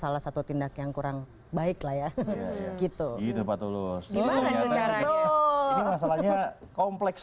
salah satu tindak yang kurang baik lah ya gitu gitu pak tulus gimana ini masalahnya kompleks